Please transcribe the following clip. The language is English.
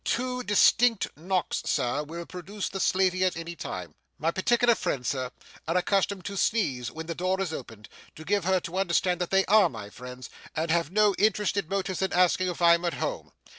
Two distinct knocks, sir, will produce the slavey at any time. My particular friends, Sir, are accustomed to sneeze when the door is opened, to give her to understand that they ARE my friends and have no interested motives in asking if I'm at home.